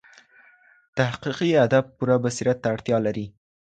تحقیقي ادب پوره بصیرت ته اړتیا لري.